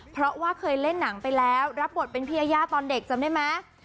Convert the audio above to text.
เพราะว่าเคยเล่นหนังไปแล้วรับบทเป็นพี่ยายาตอนเด็กจำได้ไหม